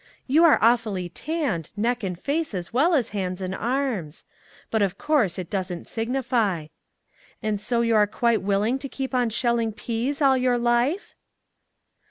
You are awfully tanned, neck and face as well as hands and arms; but, of course, it doesn't signify. And so you are quite 185 MAG AND MARGARET willing to keep on shelling peas all your life?"